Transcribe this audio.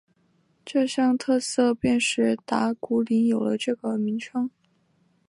这项特色便使打鼓岭有了这个名称。